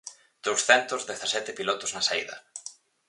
Douscentos dezasete pilotos na saída.